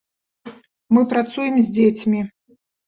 Мы працуем з дзецьмі.